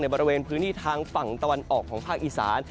บริเวณพื้นที่ทางฝั่งตะวันออกของภาคอีสาน